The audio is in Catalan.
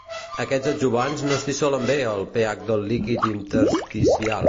Aquests adjuvants no es dissolen bé al pH del líquid intersticial.